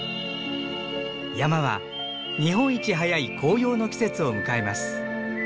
山は日本一早い紅葉の季節を迎えます。